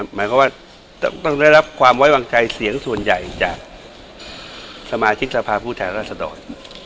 หมายความว่าต้องได้รับความไว้วางใจเสียงส่วนใหญ่จากสมาชิกสภาพผู้แทนรัศดร